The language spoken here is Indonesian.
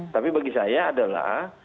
tapi bagi saya adalah